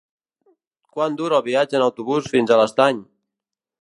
Quant dura el viatge en autobús fins a l'Estany?